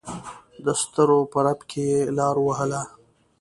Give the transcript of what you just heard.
دسترو په رپ کې یې لار ووهله.